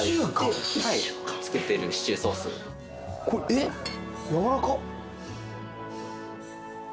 えっやわらかっ。